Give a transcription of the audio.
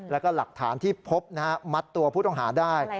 แล้วก็หลักฐานที่พบนะฮะมัดตัวผู้ต้องหาได้